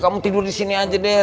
kamu tidur di sini aja deh